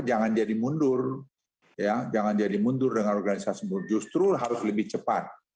jangan jadi mundur dengan organisasi mundur justru harus lebih cepat